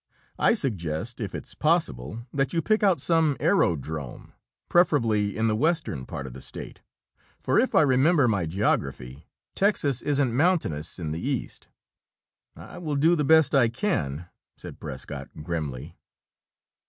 "I suggest, if it's possible, that you pick out some aerodrome, preferably in the western part of the state for if I remember my geography, Texas isn't mountainous in the east." "I will do the best I can," said Prescott, grimly.